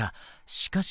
しかし。